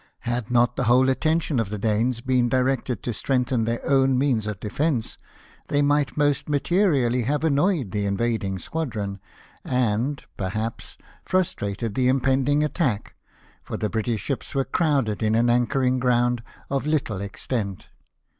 Had not the Avhole attention of the Danes been directed to strengthen their own means of defence^ they might most materially have annoyed the invading squadron, and, 23erhaps, frustrated the impending attack, for the British ships Avere crowded in an anchoring ground of little extent.